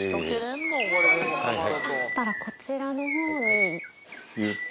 そしたらこちらのほうに。